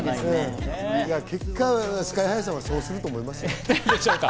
結果、ＳＫＹ−ＨＩさんはそうすると思いますよ。